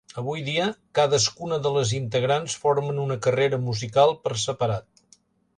Avui dia, cadascuna de les integrants formen una carrera musical per separat.